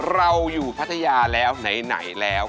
เราอยู่พัทยาแล้วไหนแล้ว